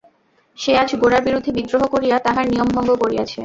সে আজ গোরার বিরুদ্ধে বিদ্রোহ করিয়া তাহার নিয়ম ভঙ্গ করিয়াছে।